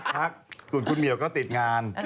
พักส่วนคุณเหมียวก็ติดงาน